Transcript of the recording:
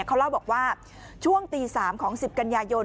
เขาเล่าบอกว่าช่วงตี๓ของ๑๐กันยายน